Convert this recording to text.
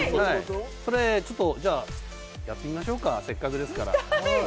じゃあやってみましょうかせっかくですから。